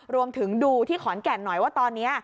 รวมถึงดูที่ขอนแก่นหน่อยว่าตอนนี้